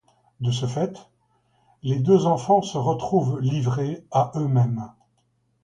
De ce fait, les deux enfants se retrouvent livrés à eux-mêmes.